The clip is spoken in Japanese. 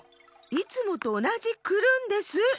いつもとおなじクルンです！